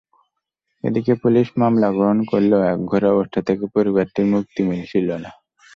এদিকে পুলিশ মামলা গ্রহণ করলেও একঘরে অবস্থা থেকে পরিবারটির মুক্তি মিলছিল না।